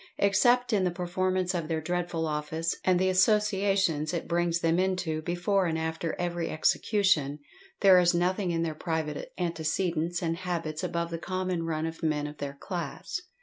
Except in the performance of their dreadful office, and the associations it brings them into, before and after every execution, there is nothing in their private antecedents and habits above the common run of men of their class.